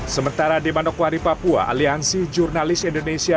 sementara di manokwari papua aliansi jurnalis indonesia